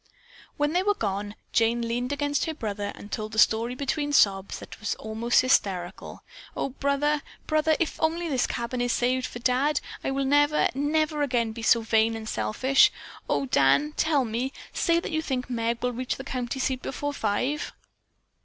When they were gone, Jane leaned against her brother and told the story between sobs that were almost hysterical. "Oh, brother, brother! If only this cabin is saved for Dad, I will never, never again be so vain and selfish. Oh, Dan, tell me, say that you think Meg will reach the county seat before five."